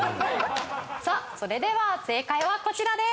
さあそれでは正解はこちらです。